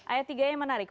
ayat tiga yang menarik